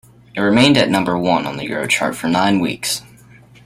It remained at number one on the Eurochart for nine weeks.